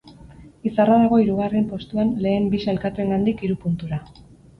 Izarra dago hirugarren postuan lehen bi saikatuengandik hiru puntura.